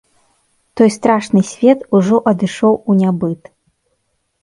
Той страшны свет ужо адышоў у нябыт.